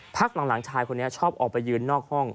พักหลังชายคนนี้ชอบออกไปยืนนอกห้อง